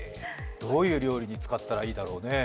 どういう料理に使ったらいいんだろうねえ。